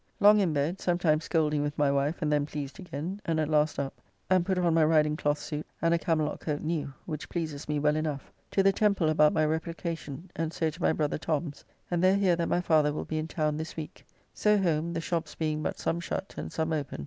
Long in bed, sometimes scolding with my wife, and then pleased again, and at last up, and put on my riding cloth suit, and a camelott coat new, which pleases me well enough. To the Temple about my replication, and so to my brother Tom's, and there hear that my father will be in town this week. So home, the shops being but some shut and some open.